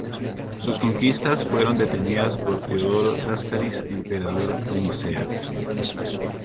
Sus conquistas fueron detenidas por Teodoro Láscaris, emperador de Nicea.